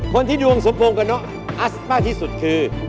คนที่ดวงสมพงศ์กับเรามากที่สุดคือ